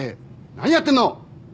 何やってんの！